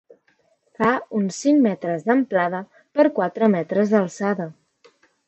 Fa uns cinc metres d'amplada per quatre metres d'alçada.